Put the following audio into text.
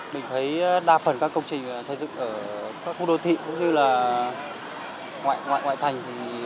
mình thấy đa phần các công trình xây dựng ở các khu đô thị cũng như là ngoại ngoại thành